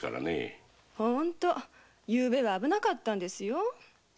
ゆうべは危なかったんですよ。